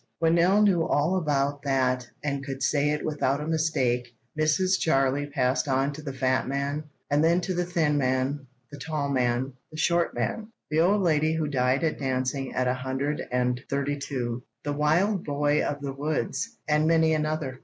When Nell knew all about that and could say it without a mistake, Mrs. Jarley passed on to the fat man, and then to the thin man, the tall man, the short man, the old lady who died of dancing at a hundred and thirty two, the wild boy of the woods, and many another.